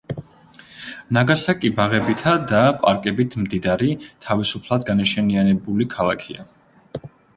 ნაგასაკი ბაღებითა და პარკებით მდიდარი, თავისუფლად განაშენიანებული ქალაქია.